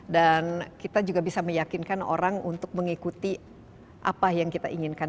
dan kita juga bisa meyakinkan orang untuk mengikuti apa yang kita inginkan